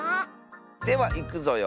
ではいくぞよ。